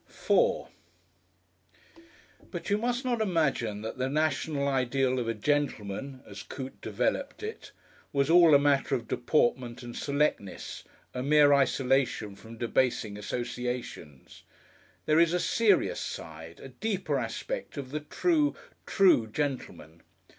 §4 But you must not imagine that the national ideal of a gentleman, as Coote developed it, was all a matter of deportment and selectness, a mere isolation from debasing associations. There is a Serious Side, a deeper aspect of the true, True Gentleman.